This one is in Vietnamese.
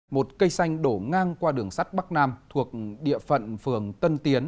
một cây xanh đổ ngang qua đường sắt bắc nam thuộc địa phận phường tân tiến